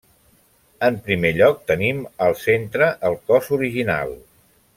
En primer lloc tenim al centre el cos original.